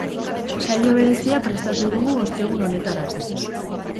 Saio berezia prestatu dugu ostegun honetarako.